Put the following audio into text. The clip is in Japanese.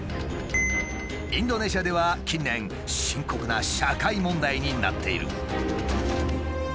インドネシアでは近年深刻な社会問題になっている。